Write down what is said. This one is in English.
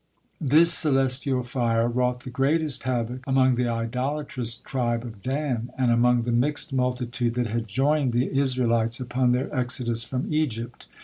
This celestial fire wrought the greatest havoc among the idolatrous tribe of Dan, and among the mixed multitude that had joined the Israelites upon their exodus from Egypt.